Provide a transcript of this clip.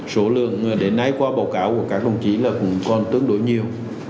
số lượng để náy qua bầu cảo của các công chí là còn tương đối nhiều